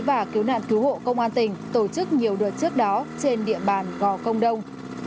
và cứu nạn cứu hộ công an tỉnh tổ chức nhiều đợt trước đó trên địa bàn gò công đông